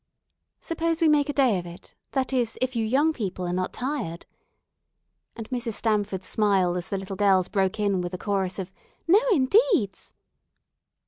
"Suppose we make a day of it, that is, if you young people are not tired," and Mrs. Stamford smiled as the little girls broke in with a chorus of "No, indeeds."